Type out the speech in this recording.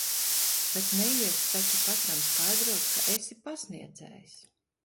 Bet neiesi taču katram skaidrot, ka esi pasniedzējs.